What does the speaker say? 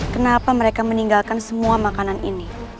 kenapa mereka meninggalkan semua makanan ini